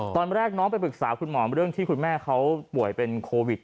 ตอนแรกน้องไปปรึกษาคุณหมอเรื่องที่คุณแม่เขาป่วยเป็นโควิด